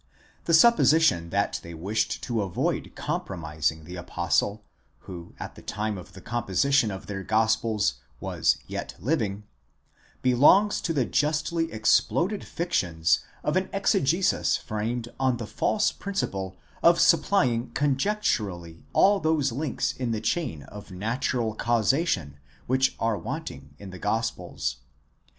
The supposition that they wished to avoid com promising the apostle, who at the time of the composition of their gospels was yet living,' belongs to the justly exploded fictions of an exegesis framed on the false principle of supplying conjecturally all those links in the chain of natural causation which are wanting in the gospels.